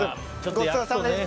ごちそうさまです。